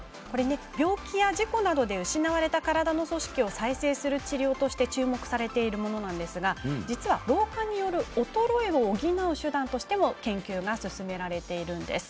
病気や事故などで失われた体の組織を再生する治療として注目されているものなんですが実は老化による衰えを補う手段としても研究が進められているんです。